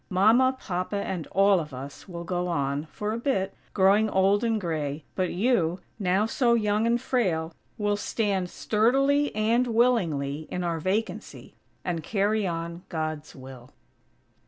Mama, Papa, and all of us will go on, for a bit, growing old and gray, but you, now so young and frail, will stand sturdily, and willingly, in our vacancy; and carry on God's will!